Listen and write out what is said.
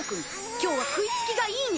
今日は食いつきがいいね！